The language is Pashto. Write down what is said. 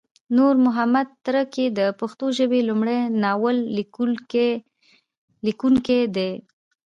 نورمحمد تره کی د پښتو ژبې لمړی ناول لیکونکی دی